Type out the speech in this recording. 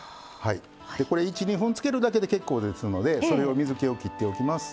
でこれ１２分つけるだけで結構ですのでそれを水けをきっておきます。